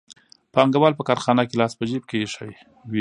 پانګوال په کارخانه کې لاس په جېب کې ایښی وي